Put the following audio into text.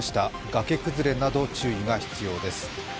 崖崩れなど注意が必要です。